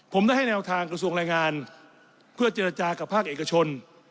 ผมได้ให้แนวทางกระทรวงแรงงานเพื่อเจรจากับภาคเอกชน